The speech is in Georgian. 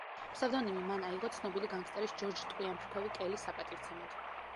ფსევდონიმი მან აიღო ცნობილი განგსტერის ჯორჯ „ტყვიამფრქვევი“ კელის საპატივცემოდ.